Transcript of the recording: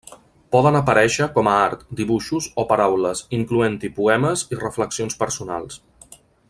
Poden aparèixer com a art, dibuixos, o paraules, incloent-hi poemes i reflexions personals.